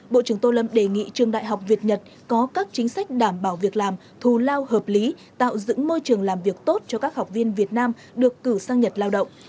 bộ trưởng tô lâm đề nghị trường đại học việt nhật có các chính sách đảm bảo việc làm thù lao hợp lý tạo dựng môi trường làm việc tốt cho các học viên việt nam được cử sang nhật lao động